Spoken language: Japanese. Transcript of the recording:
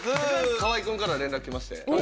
河合くんから連絡来まして。